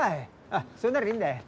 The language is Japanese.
あっそれならいいんだ。